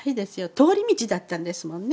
通り道だったんですもんね